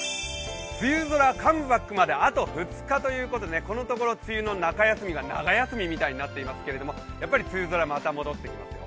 梅雨空カムバックまであと２日ということでこのところ梅雨の中休みが長休みみたいになってますけどやっぱり梅雨空また戻ってきますよ。